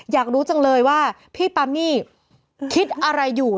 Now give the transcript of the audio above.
อยากรู้จังเลยว่าพี่ปามี่คิดอะไรอยู่